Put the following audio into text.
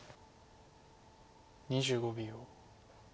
２５秒。